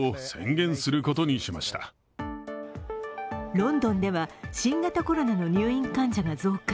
ロンドンでは新型コロナの入院患者が増加。